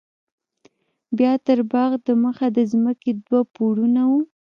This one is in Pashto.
بيا تر باغ د مخه د ځمکې دوه پوړونه وو.